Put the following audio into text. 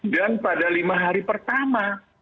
dan pada lima hari pertama